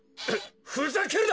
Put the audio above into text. ふざけるな！